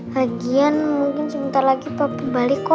lagian mungkin sebentar lagi papa balik kok